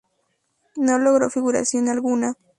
No logró figuración alguna.